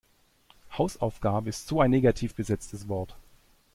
Hausaufgabe ist so ein negativ besetztes Wort.